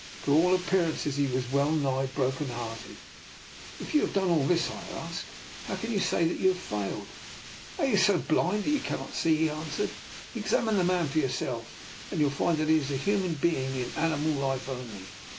To all appearances he was well nigh broken hearted. " If you have done all this," I asked, " how can you say that you have failed? "'* Are you so blind that you cannot see? " he answered. " Examine the man for your self, and you will find that he is a human be ing in animal life only.